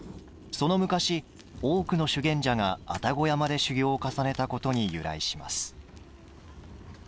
その昔、多くの修験者が愛宕山で修行を重ねたことに由来します。